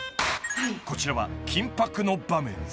［こちらは緊迫の場面］